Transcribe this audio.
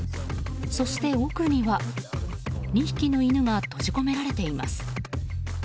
そして、奥には２匹の犬が閉じ込められています。